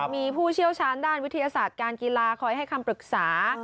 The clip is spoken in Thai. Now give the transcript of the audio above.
มีผู้เชี่ยวชาญด้านวิทยาศาสตร์การกีฬาคอยให้คำปรึกษา